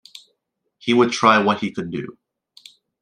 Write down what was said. He would try what he could do.